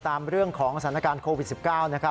ตามเรื่องของสถานการณ์โควิด๑๙